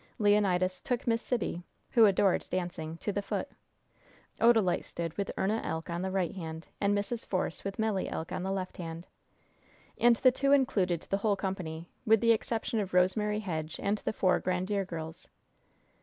Leonidas took Miss Sibby who adored dancing to the foot. Odalite stood with Erna Elk on the right hand, and Mrs. Force with Melly Elk on the left hand. And the two included the whole company, with the exception of Rosemary Hedge and the four Grandiere girls.